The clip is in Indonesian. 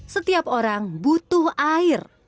setiap orang butuh air